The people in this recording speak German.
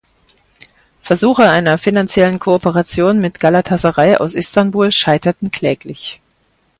Versuche einer finanziellen Kooperation mit Galatasaray aus Istanbul scheiterten kläglich.